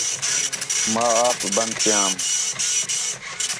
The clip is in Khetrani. ماں آپ پند کیان